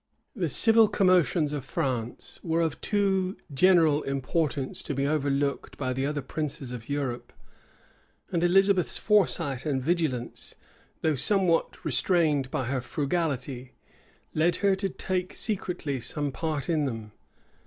The civil commotions of France were of too general importance to be overlooked by the other princes of Europe; and Elizabeth's foresight and vigilance, though somewhat restrained by her frugality, led her to take secretly some part in them.